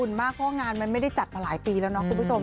มากเพราะว่างานมันไม่ได้จัดมาหลายปีแล้วเนาะคุณผู้ชม